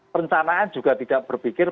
perencanaan juga tidak berpikir